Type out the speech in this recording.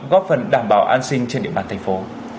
góp phần đảm bảo an sinh trên địa bàn thành phố